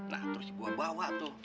nah terus dibawa bawa tuh